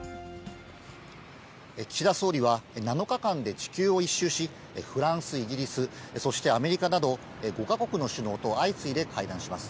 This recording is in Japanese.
岸田総理は、７日間で地球を一周し、フランス、イギリス、そしてアメリカなど、５か国の首脳と相次いで会談します。